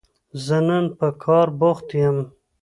زه نن په کار بوخت يم